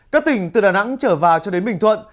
các tỉnh từ đà nẵng trở vào cho đến bình thuận